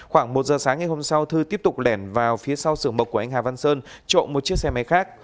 khoảng một giờ sáng ngày hôm sau thư tiếp tục lẻn vào phía sau sưởng mộc của anh hà văn sơn trộm một chiếc xe máy khác